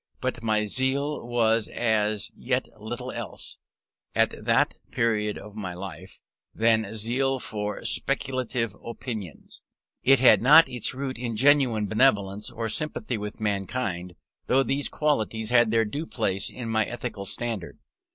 But my zeal was as yet little else, at that period of my life, than zeal for speculative opinions. It had not its root in genuine benevolence, or sympathy with mankind; though these qualities held their due place in my ethical standard.